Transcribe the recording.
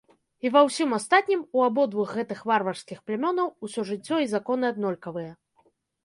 І ва ўсім астатнім у абодвух гэтых варварскіх плямёнаў усё жыццё і законы аднолькавыя.